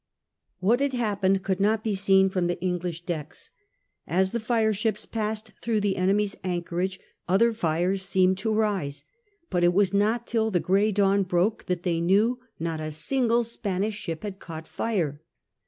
What had happened could not be seen from the English decks. As the fireships passed over the enemy's anchorage other fires seemed to rise ; but it was not till the gray dawn broke that they knew not a single Spanish ship had caught fire.